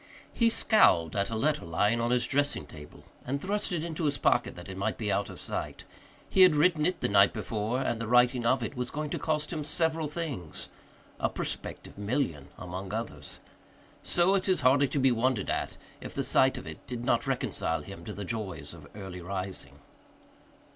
He scowled at a letter lying on his dressing table and thrust it into his pocket that it might be out of sight. He had written it the night before and the writing of it was going to cost him several things a prospective million among others. So it is hardly to be wondered at if the sight of it did not reconcile him to the joys of early rising.